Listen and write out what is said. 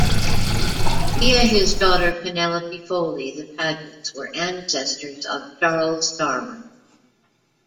Via his daughter Penelope Foley the Pagets were ancestors of Charles Darwin.